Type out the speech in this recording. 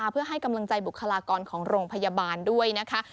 เพื่อให้กำลังใจบุคลากรของโรงพยาบาลด้วยนะคะ